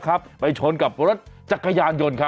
วันนี้จะเป็นวันนี้